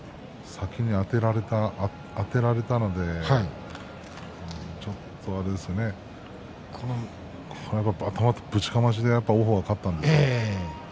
先にあたられたのでちょっと頭のぶちかましで王鵬が勝ったんです。